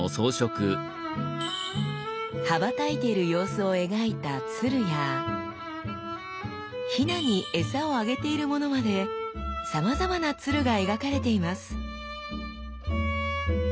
羽ばたいている様子を描いた鶴やヒナに餌をあげているものまでさまざまな鶴が描かれています。